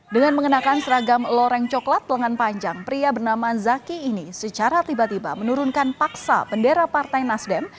dengan mengenakan seragam loreng coklat lengan panjang pria bernama zaki ini secara tiba tiba menurunkan paksa bendera partai nasdem